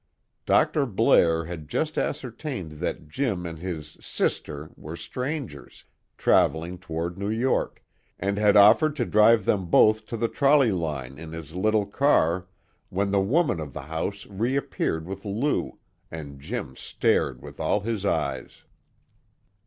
Dr. Blair had just ascertained that Jim and his "sister" were strangers, traveling toward New York, and had offered to drive them both to the trolley line in his little car, when the woman of the house reappeared with Lou, and Jim stared with all his eyes.